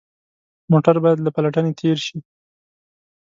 موټر باید له پلټنې تېر شي.